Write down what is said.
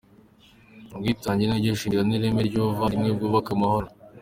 Ubwitange ni ryo shingiro n’ireme ry’ubuvandimwe bwubaka amahoro.